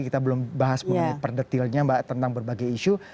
kita belum bahas perdetilnya tentang berbagai isu